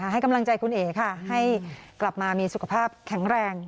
ให้กำลังใจคุณเอ๋ค่ะให้กลับมามีสุขภาพแข็งแรง